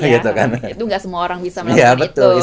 itu nggak semua orang bisa melakukan itu